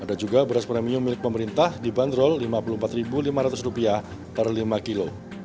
ada juga beras premium milik pemerintah dibanderol rp lima puluh empat lima ratus per lima kilo